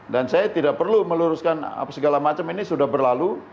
dan saya tidak perlu meluruskan segala macam ini sudah berlalu